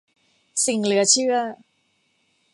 สิ่งเหลือเชื่อ